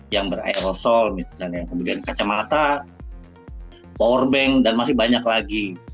yang berairosol kemudian kacamata powerbank dan masih banyak lagi